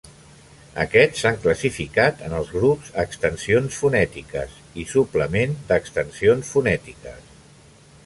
Aquests s'han classificat en els grups "Extensions fonètiques" i "Suplement d'extensions fonètiques".